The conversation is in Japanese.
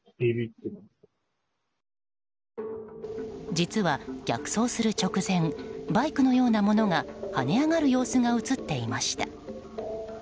実は逆走する直前バイクのようなものが跳ね上がる様子が映っていました。